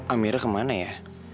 amira kemana ya